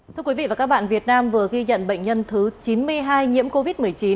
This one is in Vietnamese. thưa quý vị và các bạn việt nam vừa ghi nhận bệnh nhân thứ chín mươi hai nhiễm covid một mươi chín